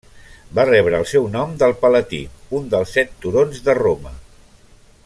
Va rebre el seu nom del Palatí, un dels set turons de Roma.